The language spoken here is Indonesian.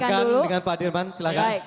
dengan jempat dengan pak dirman silahkan